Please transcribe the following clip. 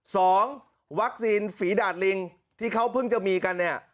สองวัคซีนฝีดาดลิงที่เขาเพิ่งจะมีกันเนี่ย